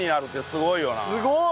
すごい！